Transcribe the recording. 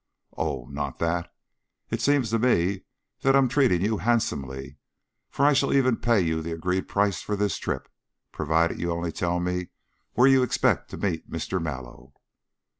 Oh, not that! It seems to me that I'm treating you handsomely, for I shall even pay you the agreed price for this trip, provided only you tell me where you expect to meet Mr. Mallow."